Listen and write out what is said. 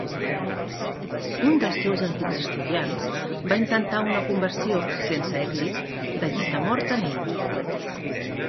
Un dels seus antics estudiants va intentar una conversió sense èxit de llit de mort en ell.